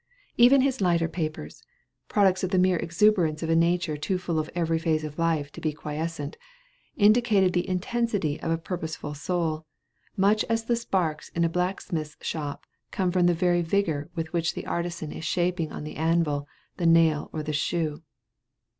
Even his lighter papers, products of the mere exuberance of a nature too full of every phase of life to be quiescent, indicated the intensity of a purposeful soul, much as the sparks in a blacksmith's shop come from the very vigor with which the artisan is shaping on the anvil the nail or the shoe.